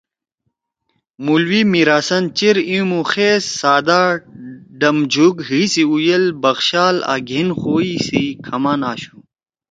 مولوی میر حسن چیر ایمُوخیز، سادہ، ڈم جُھوگ، حی سی اُوجل، بخشال آں گھین خُوئی سی کھمان آشُو